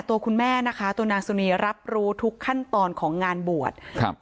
ตัวคุณแม่นะคะตัวนางสุนีรับรู้ทุกขั้นตอนของงานบวชครับ